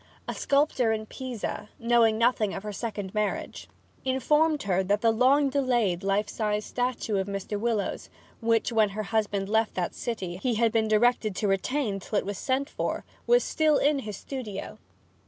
A sculptor in Pisa, knowing nothing of her second marriage, informed her that the long delayed life size statue of Mr. Willowes, which, when her husband left that city, he had been directed to retain till it was sent for, was still in his studio.